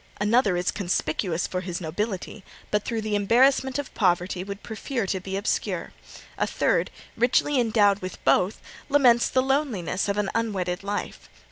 Another is conspicuous for his nobility, but through the embarrassments of poverty would prefer to be obscure. A third, richly endowed with both, laments the loneliness of an unwedded life.